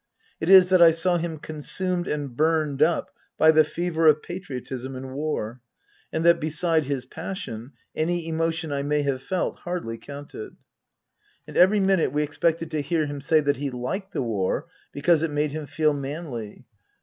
It is that I saw him consumed and burned up by the fever of patriotism and war, and that beside his passion any emotion I may have felt hardly counted. And every minute we expected to hear him say that he liked the War because it made him feel manly.